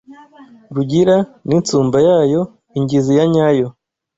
Rugira n’insumba yayo Ingizi yanyayo